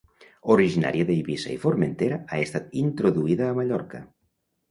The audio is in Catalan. Originària d'Eivissa i Formentera ha estat introduïda a Mallorca.